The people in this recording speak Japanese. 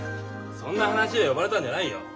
そんな話で呼ばれたんじゃないよ。